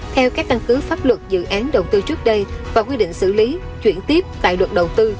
theo các căn cứ pháp luật dự án đầu tư trước đây và quy định xử lý chuyển tiếp tại luật đầu tư